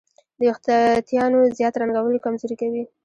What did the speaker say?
د وېښتیانو زیات رنګول یې کمزوري کوي.